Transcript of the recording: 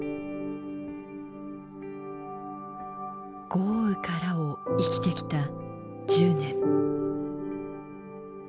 “豪雨から”を生きてきた１０年。